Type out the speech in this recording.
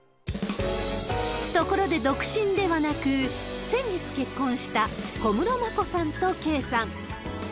ところで、独身ではなく、先月結婚した、小室眞子さんと圭さん。